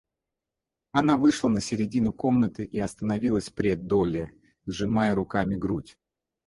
Она вышла на середину комнаты и остановилась пред Долли, сжимая руками грудь.